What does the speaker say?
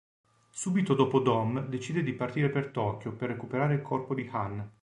Subito dopo Dom decide di partire per Tokyo per recuperare il corpo di Han.